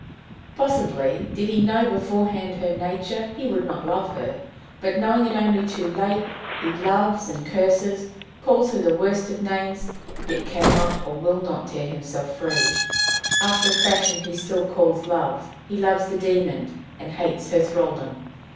Possibly, did he know beforehand her nature, he would not love her, but, knowing it only too late, he loves and curses; calls her the worst of names, yet can not or will not tear himself free; after a fashion he still calls love, he loves the demon, and hates her thralldom.